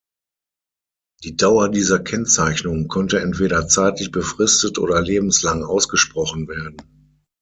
Die Dauer dieser Kennzeichnung konnte entweder zeitlich befristet oder lebenslang ausgesprochen werden.